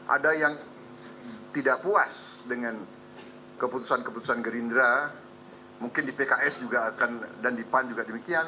ada yang tidak puas dengan keputusan keputusan gerindra mungkin di pks juga akan dan di pan juga demikian